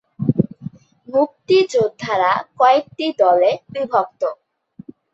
মুক্তিযোদ্ধারা কয়েকটি দলে বিভক্ত।